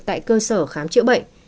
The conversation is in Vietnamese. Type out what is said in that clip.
tại cơ sở khám chữa bệnh